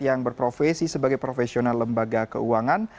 yang berprofesi sebagai profesional lembaga keuangan